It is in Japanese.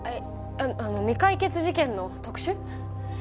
あの未解決事件の特集？